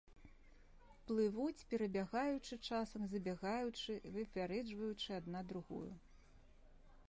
Плывуць, перабягаючы часам, забягаючы, выпярэджваючы адна другую.